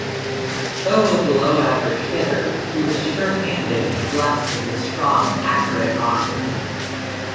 Though a below-average hitter, he was sure-handed and blessed with a strong, accurate arm.